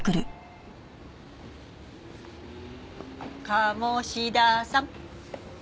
鴨志田さん。